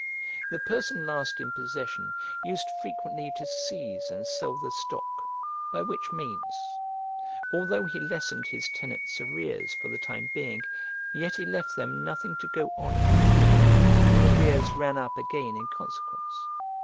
The person last in possession used frequently to seize and sell the stock, by which means, although he lessened his tenants' arrears for the time being, yet he left them nothing to go on with and the arrears ran up again in consequence.